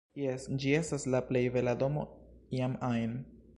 Jes, ĝi estas la plej bela domo iam ajn